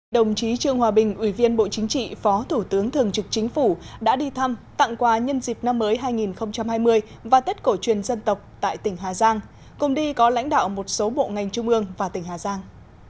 đồng chí trương hòa bình ủy viên bộ chính trị phó thủ tướng thường trực chính phủ đã đi thăm tặng quà nhân dịp năm mới hai nghìn hai mươi và tết cổ truyền dân tộc tại tỉnh hà giang cùng đi có lãnh đạo một số bộ ngành trung ương và tỉnh hà giang